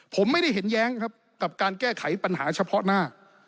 ผมไม่ได้เห็นแย้งครับกับการแก้ไขปัญหาเฉพาะหน้า